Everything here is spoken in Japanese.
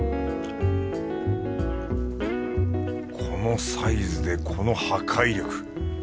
このサイズでこの破壊力。